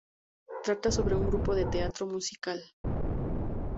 Trata sobre un grupo de teatro musical.